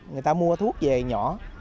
người ta mua thuốc về nhỏ